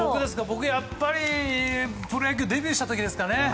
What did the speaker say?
僕はやっぱりプロ野球デビューした時ですかね。